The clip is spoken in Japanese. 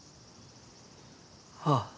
ああ。